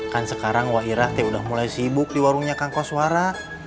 kan sekarang wak irah teh udah mulai sibuk di warungnya kangkoswara